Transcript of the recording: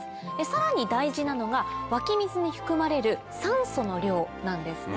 さらに大事なのが湧き水に含まれる酸素の量なんですね。